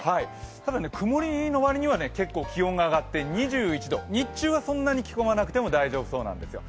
ただ、曇りの割には結構気温が上って２１度、日中はそんなに着込まなくても大丈夫なんですよ。